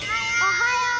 おはよう！